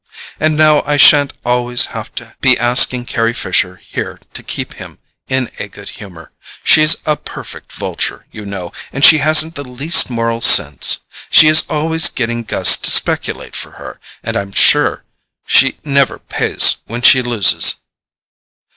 And now I shan't always have to be asking Carry Fisher here to keep him in a good humour. She's a perfect vulture, you know; and she hasn't the least moral sense. She is always getting Gus to speculate for her, and I'm sure she never pays when she loses."